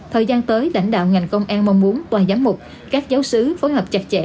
thời gian tới lãnh đạo ngành công an mong muốn toàn giám mục các giáo sứ phối hợp chặt chẽ